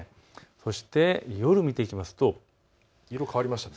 そして夜を見ていくと色、変わりましたね。